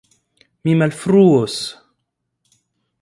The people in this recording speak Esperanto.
mi malfruos!